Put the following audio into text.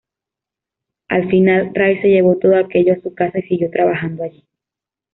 Al final, Ray se llevó todo aquello a su casa y siguió trabajando allí.